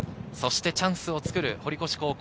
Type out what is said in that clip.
チャンスを作る堀越高校。